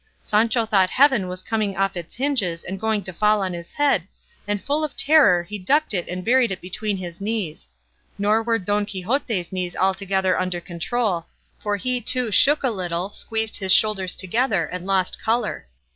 Sancho thought heaven was coming off its hinges and going to fall on his head, and full of terror he ducked it and buried it between his knees; nor were Don Quixote's knees altogether under control, for he too shook a little, squeezed his shoulders together and lost colour.